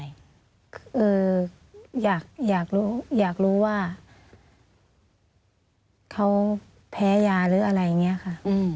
อยากรู้อยากรู้ว่าเขาแพ้ยาหรืออะไรอย่างนี้ค่ะ